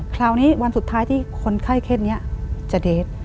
คราวนี้วันสุดท้ายที่คนไข้เคสนี้จะเดท